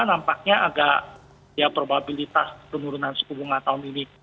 nampaknya agak ya probabilitas penurunan suku bunga tahun ini